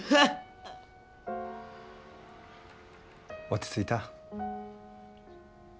落ち着いた？